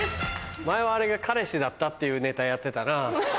前はあれが彼氏だったっていうネタやってたな。